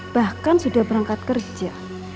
bahkan sudah berangkat kerja